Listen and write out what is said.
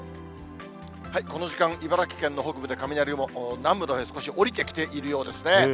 この時間、茨城県の北部で雷雲、南部のほうへ少し下りてきているようですね。